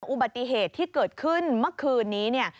อุบัติเหตุที่เกิดขึ้นเมื่อคืนนี้เนี่ย